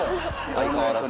相変わらず？